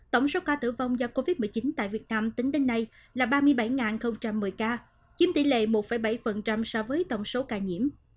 tổng số ca tử vong do covid một mươi chín tại việt nam tính đến nay là ba mươi bảy một mươi ca chiếm tỷ lệ một bảy so với tổng số ca nhiễm